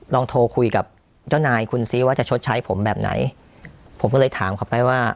ลองโทรคุยกับเจ้านายคุณซิว่าจะชดใช้ผมแบบไหนผมก็เลยถามเขาไปว่า